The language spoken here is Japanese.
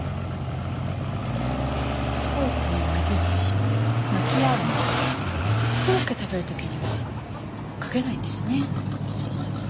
ソースの魔術師もコロッケ食べる時にはかけないんですねソース。